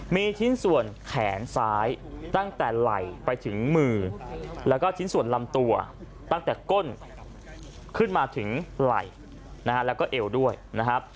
มีชิ้นส่วนแขนซ้ายตั้งแต่ไหล่ไปถึงมือแล้วก็ชิ้นส่วนลำตัวตั้งแต่ก้นขึ้นมาถึงไหล่นะฮะแล้วก็เอวด้วยนะครับ